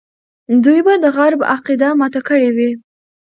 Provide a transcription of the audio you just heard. دوی به د غرب عقیده ماته کړې وي.